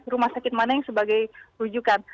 rumah sakit mana yang sebagai rujukan